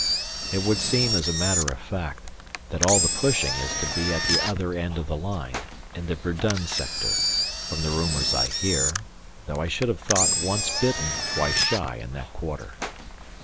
It would seem, as a matter of fact, that all the pushing is to be at the other end of the line, in the Verdun sector, from the rumours I hear, though I should have thought once bitten twice shy in that quarter.